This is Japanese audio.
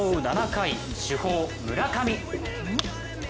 ７回主砲・村上。